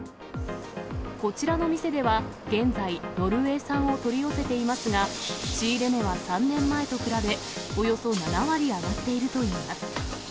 こちらの店では、現在、ノルウェー産を取り寄せていますが、仕入れ値は３年前と比べ、およそ７割上がっているといいます。